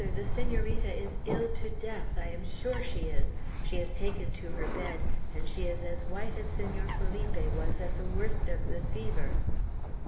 the Senorita is ill to death. I am sure she is. She has taken to her bed; and she is as white as Senor Felipe was at the worst of the fever."